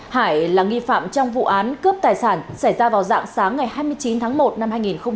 hải là nghi phạm trong vụ án cướp tài sản xảy ra vào dạng sáng ngày hai mươi chín tháng một năm hai nghìn hai mươi